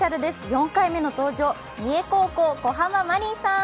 ４回目の登場、三重高校、小濱まりんさん。